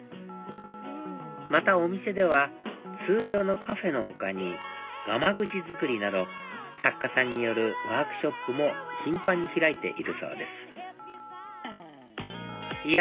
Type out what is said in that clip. またお店では通常のカフェの他にがまぐち作りなど作家さんによるワークショップも頻繁に開いているそうですいや